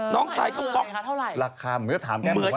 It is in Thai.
น้องขายเขาตบ